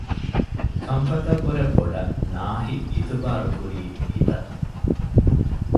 ކަންފަތަށް ވުރެ ބޮޑަށް ނާހި އިތުބާރުކުރީ ހިތަށް